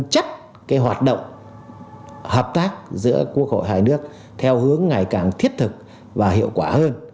chất hoạt động hợp tác giữa quốc hội hai nước theo hướng ngày càng thiết thực và hiệu quả hơn